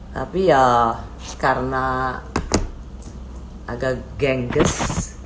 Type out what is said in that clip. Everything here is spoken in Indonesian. tapi ya karena agak gengges